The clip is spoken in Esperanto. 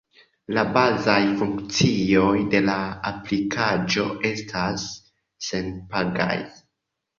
La bazaj funkcioj de la aplikaĵo estas senpagaj.